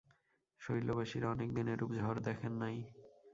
শৈলবাসীরা অনেক দিন এরূপ ঝড় দেখেন নাই।